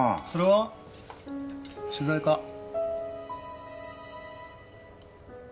それは取材か？